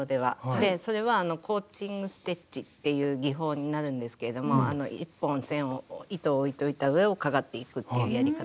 でそれはコーチング・ステッチっていう技法になるんですけれどもあの１本線を糸を置いといた上をかがっていくっていうやり方。